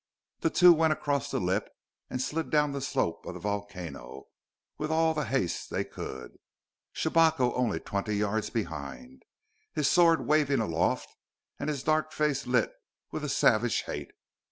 The two went across the lip and slid down the slope of the volcano with all the haste they could. Shabako only twenty yards behind, his sword waving aloft and his dark face lit with a savage hate.